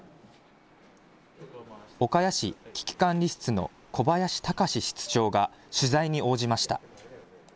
岡谷市危機管理室の小林隆志室長が取材に応じました。